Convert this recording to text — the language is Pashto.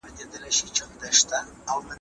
د چاپیریال په اړه غږ پورته کړئ.